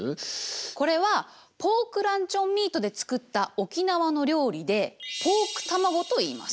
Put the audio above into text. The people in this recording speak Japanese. これはポークランチョンミートで作った沖縄の料理でポークたまごといいます。